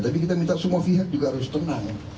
tapi kita minta semua pihak juga harus tenang